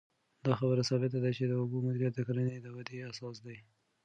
دا خبره ثابته ده چې د اوبو مدیریت د کرنې د ودې اساس دی.